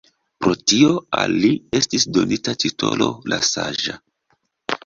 Pro tio al li estis donita titolo «la Saĝa».